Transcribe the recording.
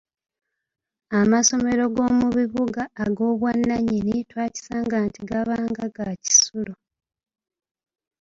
Amasomero g’omu bibuga ag’obwannannyini twakisanga nti gaabanga ga kisulo.